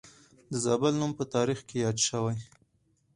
د زابل نوم په تاریخ کې یاد شوی